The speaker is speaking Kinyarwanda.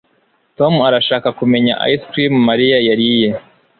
tom arashaka kumenya ice cream mariya yariye